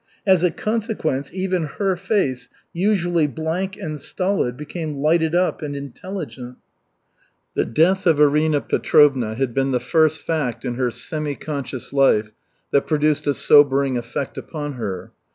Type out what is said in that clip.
As a consequence, even her face, usually blank and stolid, became lighted up and intelligent. The death of Arina Petrovna had been the first fact in her semi conscious life that produced a sobering effect upon her.